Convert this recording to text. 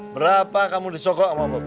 berapa kamu disokok sama bapak